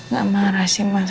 gak marah sih mas